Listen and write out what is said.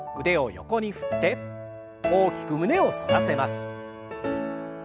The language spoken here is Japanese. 腕を横に振って大きく胸を反らせます。